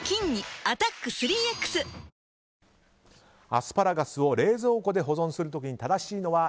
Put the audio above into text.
アスパラガスを冷蔵庫で保存する時に正しいのは？